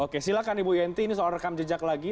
oke silakan ibu yenty ini soal rekam jejak lagi